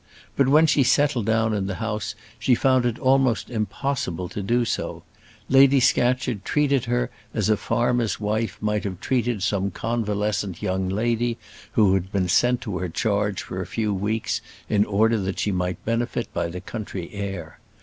But when she settled down in the house she found it almost impossible to do so. Lady Scatcherd treated her as a farmer's wife might have treated some convalescent young lady who had been sent to her charge for a few weeks, in order that she might benefit by the country air.